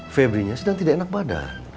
febrinya sedang tidak enak badan